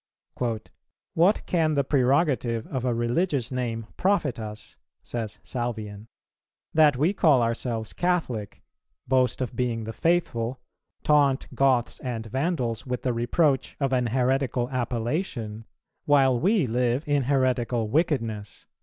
"What can the prerogative of a religious name profit us," says Salvian, "that we call ourselves Catholic, boast of being the faithful, taunt Goths and Vandals with the reproach of an heretical appellation, while we live in heretical wickedness?"